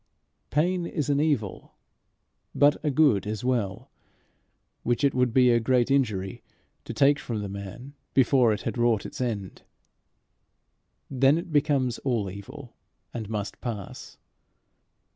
Pain is an evil; but a good as well, which it would be a great injury to take from the man before it had wrought its end. Then it becomes all evil, and must pass.